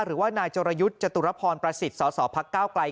หรือว่านายจรยุทธ์จตุรพรประสิทธิ์สสพักก้าวไกล